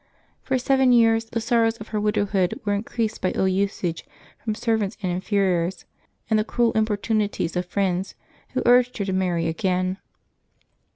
For seven years the sorrows of her widowhood were in creased by ill usage from servants and inferiors, and the cruel importunities of friends, who urged her to marry again.